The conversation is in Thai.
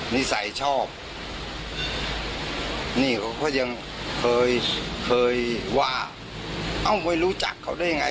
นิสัยชอบนี่เขาก็ยังเคยเคยว่าเอ้าไม่รู้จักเขาได้ยังไง